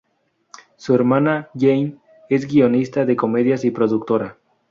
Su hermana Jane es guionista de comedias y productora.